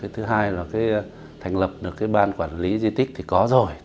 thứ hai là thành lập được cái ban quản lý di tích thì có rồi